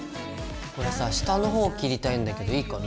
これさ下の方を切りたいんだけどいいかな？